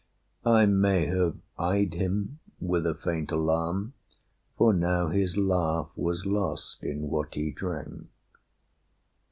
I may have eyed him with a faint alarm, For now his laugh was lost in what he drank.